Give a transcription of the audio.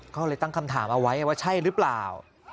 เขาเลยตั้งคำถามเอาไว้ว่าใช่หรือเปล่า